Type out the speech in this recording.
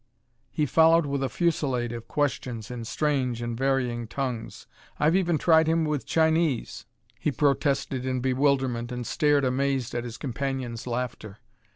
_..." He followed with a fusillade of questions in strange and varying tongues. "I've even tried him with Chinese," he protested in bewilderment and stared amazed at his companion's laughter.